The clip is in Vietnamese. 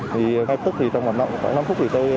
thì ngay lập tức trong khoảng năm phút